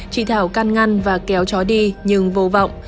chị thảo căn ngăn và kéo chó đi nhưng vô vọng